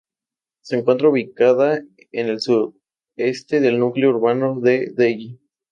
Se encuentra ubicada en el sureste del núcleo urbano de Delle.